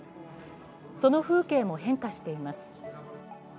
その風景も変化しています。